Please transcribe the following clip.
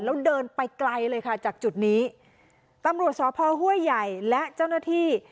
แล้วเดินไปไกลเลยค่ะจากจุดนี้ตำรวจสพห้วยใหญ่และเจ้าหน้าที่